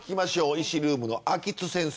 医師ルームの秋津先生